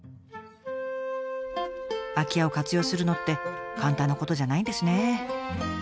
空き家を活用するのって簡単なことじゃないんですね。